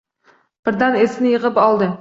Birdan esini yig‘ib oldi.